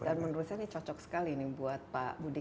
dan menurut saya ini cocok sekali buat pak budi